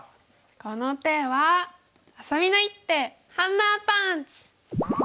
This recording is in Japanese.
この手はあさみの一手ハンマーパンチ！